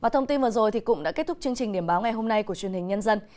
thông tin vừa rồi cũng đã kết thúc chương trình điểm báo ngày hôm nay của truyền hình nhân dân